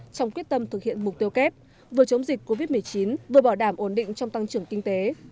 trong quyết tâm thực hiện mục tiêu kép vừa chống dịch covid một mươi chín vừa bảo đảm ổn định trong tăng trưởng kinh tế